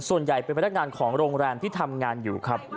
ส่วนใหญ่เป็นพนักงานของโรงแรมที่ทำงานอยู่ครับ